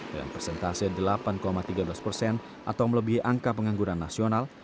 dengan persentase delapan tiga belas persen atau melebihi angka pengangguran nasional